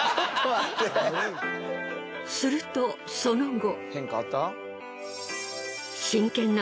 するとその後。